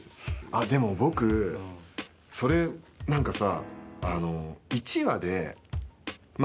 あでも僕それなんかさ。